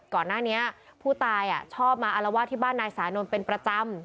ก่อนหน้านี้ผู้ตายชอบมาอารวาสที่บ้านนายสานนท์เป็นประจำ